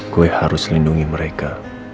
gue harus lindungi mereka